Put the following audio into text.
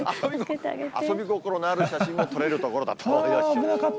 遊び心のある写真も撮れる所だと。